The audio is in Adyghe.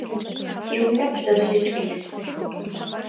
Tiune pşseşsit'u yis.